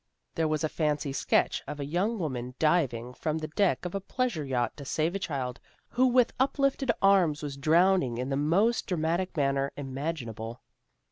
There was a fancy sketch of a young woman diving from the deck of a pleasure yacht to save a child who with uplifted arms was drowning in the most dramatic manner imaginable.